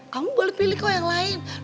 kamu boleh pilih kok yang lain